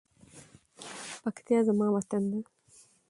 پکتیکا زما وطن ده.